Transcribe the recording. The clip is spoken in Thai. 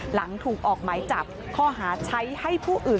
หลังถูกออกหมายจับข้อหาใช้ให้ผู้อื่น